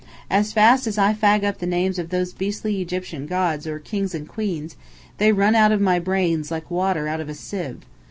As fast as I fag up the names of those beastly Egyptian gods or kings and queens, they run out of my brains like water out of a sieve.